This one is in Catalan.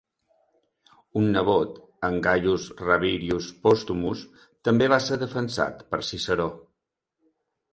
Un nebot, en Gaius Rabirius Postumus, també va ser defensat per Ciceró.